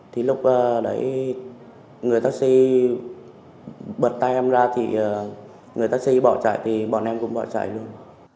thì lúc đấy người taxi bật tay em ra thì người taxi bỏ chạy thì bọn em cũng bỏ chạy luôn